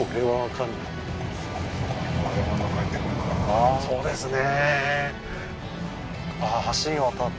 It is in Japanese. ああーそうですね